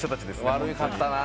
悪かったな。